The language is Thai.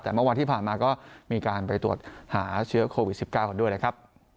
แต่เมื่อวานที่ผ่านมาก็มีการไปตรวจหาเชื้อโควิด๑๙กันด้วยนะครับ